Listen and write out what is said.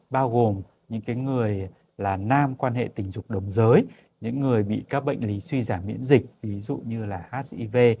bao gồm những người là nam quan hệ tình dục đồng giới những người bị các bệnh lý suy giảm miễn dịch ví dụ như là hiv